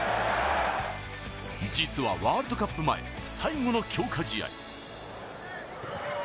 実はワールドカップ前、最後の強化試合。